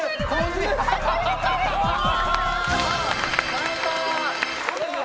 耐えた！